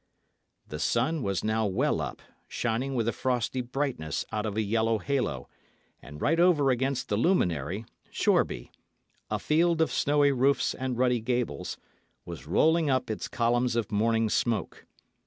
The sun was now well up, shining with a frosty brightness out of a yellow halo, and right over against the luminary, Shoreby, a field of snowy roofs and ruddy gables, was rolling up its columns of morning smoke.